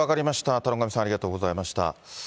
田上さん、ありがとうございました。